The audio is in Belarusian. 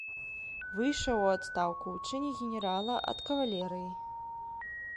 Выйшаў у адстаўку ў чыне генерала ад кавалерыі.